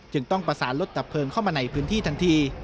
ต้องประสานรถดับเพลิงเข้ามาในพื้นที่ทันที